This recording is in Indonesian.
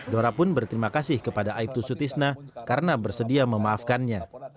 dora pun berterima kasih kepada aibtu sutisna karena bersedia memaafkannya